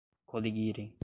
coligirem